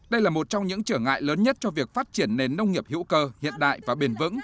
đây là một trong những trở ngại lớn nhất cho việc phát triển nền nông nghiệp hữu cơ hiện đại và bền vững